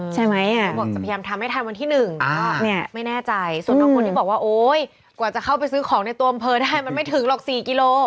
เขาบอกจะพยายามทำให้ทันวันที่๑เนี่ยไม่แน่ใจส่วนบางคนที่บอกว่าโอ๊ยกว่าจะเข้าไปซื้อของในตัวอำเภอได้มันไม่ถึงหรอก๔กิโล